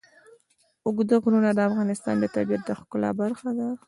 اوږده غرونه د افغانستان د طبیعت د ښکلا برخه ده.